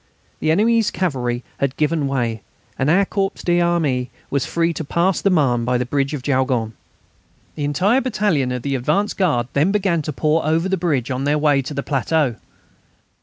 The enemy's cavalry had given way, and our corps d'armée was free to pass the Marne by the bridge of Jaulgonne. The entire battalion of the advance guard then began to pour over the bridge on their way to the plateau.